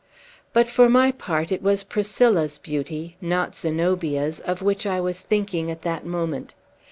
But, for my part, it was Priscilla's beauty, not Zenobia's, of which I was thinking at that moment.